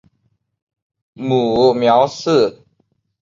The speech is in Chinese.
母苗氏。